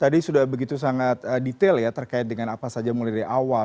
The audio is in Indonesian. tadi sudah begitu sangat detail ya terkait dengan apa saja mulai dari awal